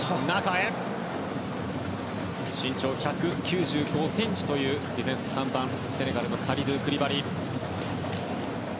身長１９５ｃｍというディフェンス、３番セネガルのカリドゥ・クリバリ。